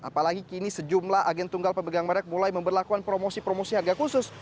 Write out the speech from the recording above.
apalagi kini sejumlah agen tunggal pemegang merek mulai memperlakukan promosi promosi harga khusus